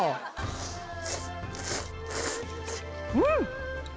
うん！